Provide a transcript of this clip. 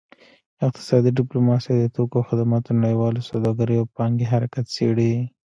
اقتصادي ډیپلوماسي د توکو او خدماتو نړیواله سوداګرۍ او پانګې حرکت څیړي